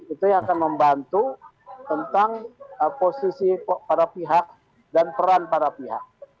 itu yang akan membantu tentang posisi para pihak dan peran para pihak